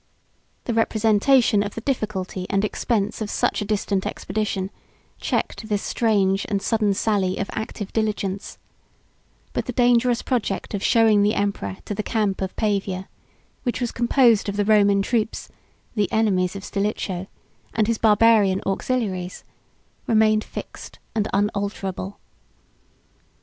105 The representation of the difficulty and expense of such a distant expedition, checked this strange and sudden sally of active diligence; but the dangerous project of showing the emperor to the camp of Pavia, which was composed of the Roman troops, the enemies of Stilicho, and his Barbarian auxiliaries, remained fixed and unalterable.